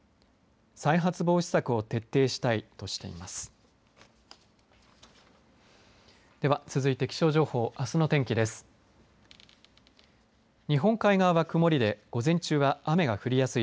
再発防止策を徹底したいとしています。